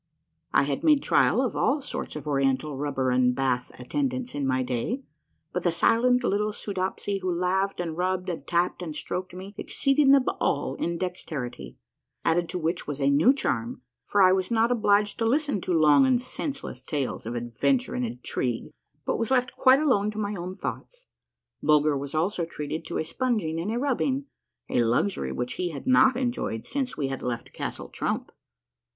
I had made trial of all sorts of Oriental rubber and bath at tendants in my day, but the silent little Soodopsy who laved and rubbed and tapped and stroked me exceeded them all in dexterity, added to which was a new charm, for I was not obliged to listen to long and senseless tales of adventure and intrigue, but was left quite alone to my own thoughts. Bulger was also treated to a sponging and a rubbing — a luxury which he had not enjoyed since we had left Castle Trump.